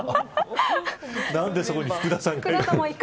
何で、そこに福田さんがいるの。